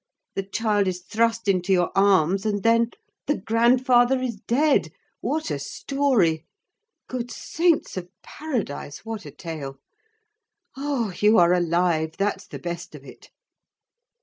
The child is thrust into your arms, and then—the grandfather is dead! What a story! good saints of paradise, what a tale! Ah! you are alive, that's the best of it!"